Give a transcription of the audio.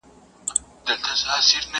چي يوه به لاپي كړې بل به خندله!!